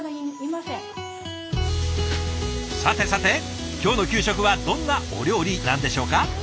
さてさて今日の給食はどんなお料理なんでしょうか？